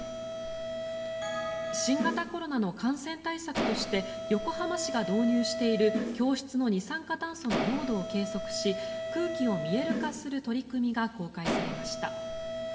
新型コロナの感染対策として横浜市が導入している教室の二酸化炭素の濃度を計測し空気を見える化する取り組みが公開されました。